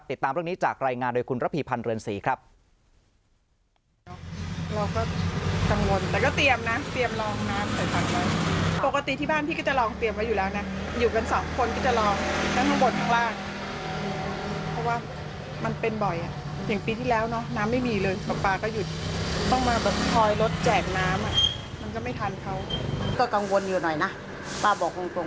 ติดตามเรื่องนี้จากรายงานโดยคุณระพีพันธ์เรือนศรีครับ